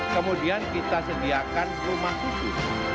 kemudian kita sediakan rumah khusus